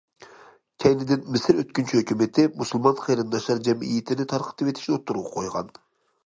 كەينىدىن مىسىر ئۆتكۈنچى ھۆكۈمىتى مۇسۇلمان قېرىنداشلار جەمئىيىتىنى تارقىتىۋېتىشنى ئوتتۇرىغا قويغان.